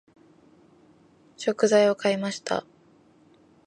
食材を買いました。